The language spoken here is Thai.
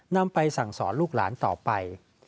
นำไปสั่งสอนลูกหลานต่อไป